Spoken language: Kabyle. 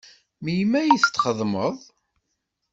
Melmi ay txeddmeḍ?